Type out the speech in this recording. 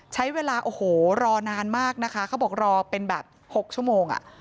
ใช้เวลาโอ้โหรอนานมากนะคะเขาบอกรอเป็นแบบ๖ชั่วโมง